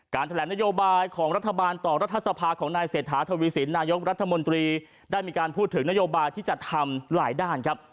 แถลงนโยบายของรัฐบาลต่อรัฐสภาของนายเศรษฐาทวีสินนายกรัฐมนตรีได้มีการพูดถึงนโยบายที่จะทำหลายด้านครับ